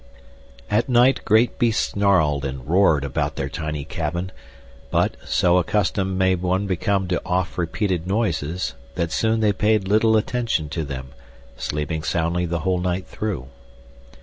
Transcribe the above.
At night great beasts snarled and roared about their tiny cabin, but, so accustomed may one become to oft repeated noises, that soon they paid little attention to them, sleeping soundly the whole night through.